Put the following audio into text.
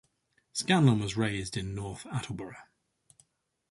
Scanlon was raised in North Attleborough.